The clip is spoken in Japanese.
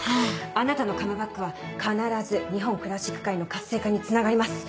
あなたのカムバックは必ず日本クラシック界の活性化につながります。